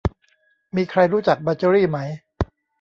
มีใครรู้จักมาเจอรี่ไหม